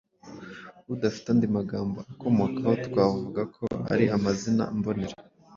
adafite andi magambo akomokaho twavuga ko ari amazina mbonera